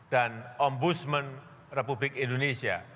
dan ombudsman republik indonesia